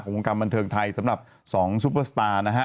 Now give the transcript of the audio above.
ขององค์กรรมบันเทิงไทยสำหรับสองซูเปอร์สตาร์นะฮะ